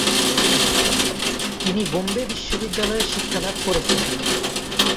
তিনি বোম্বে বিশ্ববিদ্যালয়ে শিক্ষালাভ করেছেন।